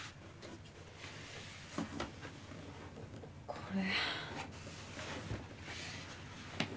これ。